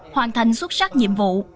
hoàn thành xuất sắc nhiệm vụ